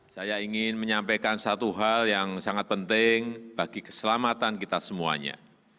saya ingin menyampaikan satu hal yang sangat penting bagi keselamatan kita semuanya